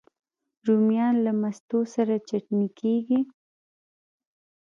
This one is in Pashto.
رومیان له مستو سره چټني کېږي